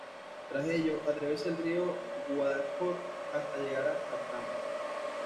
Tras ello atraviesa el río Guadalhorce hasta llegar a Cártama.